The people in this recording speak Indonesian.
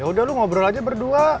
yaudah lu ngobrol aja berdua